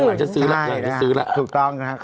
อย่างนั้นจะซื้อแล้วก่อนจะซื้อแล้วนะครับถูกต้องนะครับ